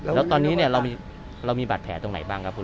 แล้วตอนนี้เรามีบาดแผลตรงไหนบ้างครับคุณ